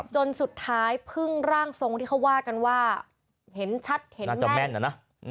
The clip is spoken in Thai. จนสุดท้ายพึ่งร่างทรงที่เขาว่ากันว่าเห็นชัดเห็นน่าจะแม่นนะนะ